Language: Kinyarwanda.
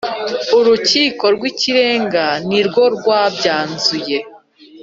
Urukiko rw Ikirenga nirwo rwabyanzuye